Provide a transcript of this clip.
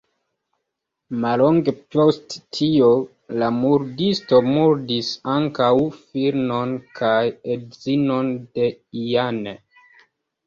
Mallonge post tio, la murdisto murdis ankaŭ filinon kaj edzinon de Jane.